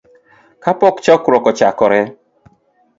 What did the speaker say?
kapok chokruok ochakore.